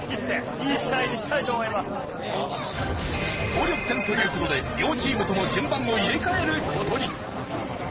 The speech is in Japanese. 総力戦という事で両チームとも順番を入れ替える事に。